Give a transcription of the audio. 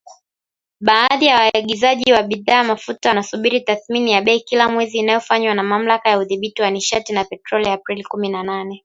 Baadhi ya waagizaji bidhaa ya mafuta wanasubiri tathmini ya bei kila mwezi inayofanywa na Mamlaka ya Udhibiti wa Nishati na Petroli Aprili kumi na nne.